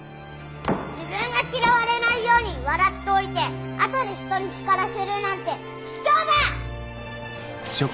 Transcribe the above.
自分が嫌われないように笑っておいてあとで人に叱らせるなんて卑怯だ！